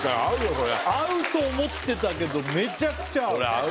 これ合うと思ってたけどめちゃくちゃ合う！